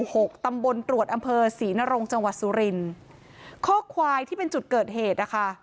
หกตำบลตรวจอำเภอศรีนรงจังหวัดสุรินข้อควายที่เป็นจุดเกิดเหตุนะคะ